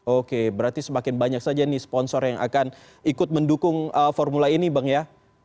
oke berarti semakin banyak saja nih sponsor yang akan ikut mendukung formula ini bang ya